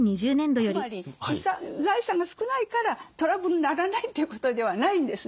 つまり財産が少ないからトラブルにならないということではないんですね。